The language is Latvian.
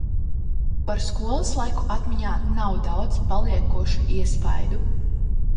Par skolas laiku atmiņā nav daudz paliekošu iespaidu.